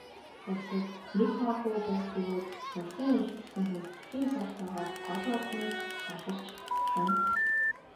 Улсад нэг хуанху байх бөгөөд Улсын эх гэсэн хүндэтгэлийн цолтойгоор гол ордонд заларч асан.